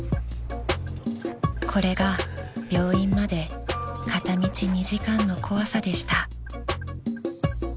［これが病院まで片道２時間の怖さでした］